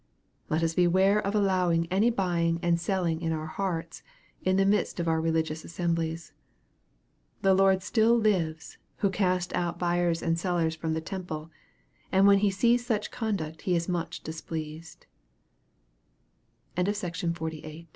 Let us beware of allowing any buying and selling in our hearts, in the midst of our religious assemblies. The Lord still lives, who cast out buyers and sellers from the temple, and when He sees such conduct